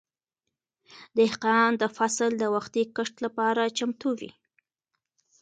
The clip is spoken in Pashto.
دهقان د فصل د وختي کښت لپاره چمتو وي.